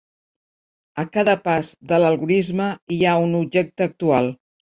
A cada pas de l'algorisme hi ha un objecte actual.